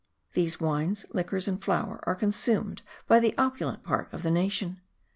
These wines, liquors and flour are consumed by the opulent part of the nation.